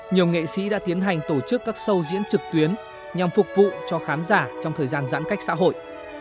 nhiều nghệ sĩ đã tiến hành tổ chức các show diễn trực tuyến nhằm phục vụ cho khán giả trong thời gian giãn cách xã hội